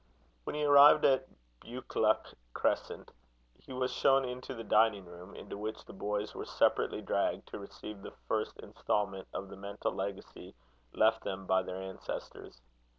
When he arrived at Buccleuch Crescent, he was shown into the dining room, into which the boys were separately dragged, to receive the first instalment of the mental legacy left them by their ancestors.